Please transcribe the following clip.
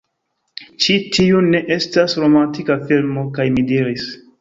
"Ĉi tiu ne estas romantika filmo!" kaj mi diris: